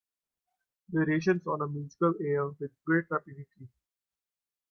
Variations on a musical air With great rapidity